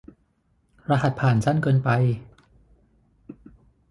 รหัสผ่านสั้นเกินไป